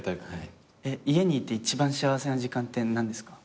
家にいて一番幸せな時間って何ですか？